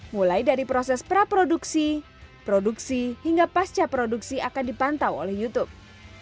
mulai dari proses praproduksi produksi hingga pasca produksi akan dipantau oleh youtube